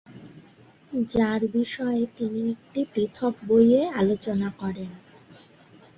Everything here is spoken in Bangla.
যার বিষয়ে তিনি একটি পৃথক বইয়ে আলোচনা করেন।